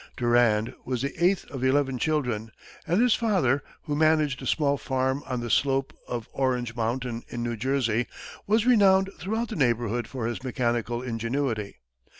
Durand was the eighth of eleven children, and his father, who managed a small farm on the slope of Orange Mountain, in New Jersey, was renowned throughout the neighborhood for his mechanical ingenuity.